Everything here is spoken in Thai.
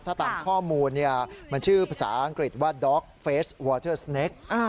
ถ้าตามข้อมูลมันชื่อภาษาอังกฤษว่าด็อกเฟสวอเทอร์สเนค